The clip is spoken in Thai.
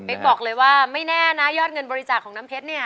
บอกเลยว่าไม่แน่นะยอดเงินบริจาคของน้ำเพชรเนี่ย